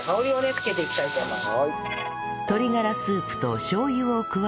付けていきたいと思います。